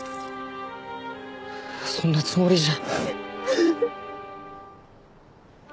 そんなつもりじゃ。